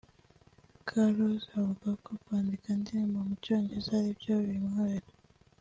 K Rollz avuga ko kwandika indirimbo mu cyongereza aribyo bimworohera